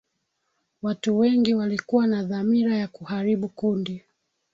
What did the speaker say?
watu wengi walikuwa na dhamira ya kuharibu kundi